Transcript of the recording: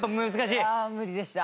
いやあ無理でした。